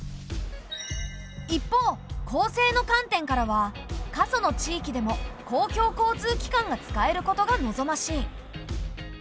一方公正の観点からは過疎の地域でも公共交通機関が使えることが望ましい。